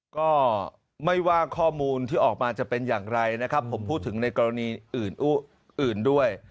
ก็ไม่ว่าข้อมูลที่ออกมาจะเป็นอย่างไรนะครับผมพูดถึงในกรณีอื่นด้วย